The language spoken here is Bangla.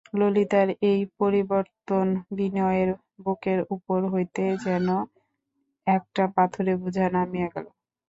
ললিতার এই পরিবর্তনে বিনয়ের বুকের উপর হইতে যেন একটা পাথরের বোঝা নামিয়া গেল।